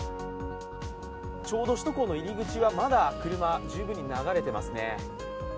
ちょうど首都高の入り口はまだ車、十分に流れていますね。